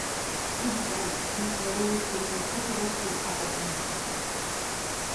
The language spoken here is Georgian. იგი გარბის, მის რევოლუციურ დაჯგუფებას კი აპატიმრებენ.